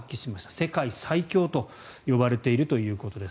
世界最強といわれているということです。